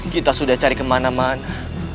kita sudah cari kemana mana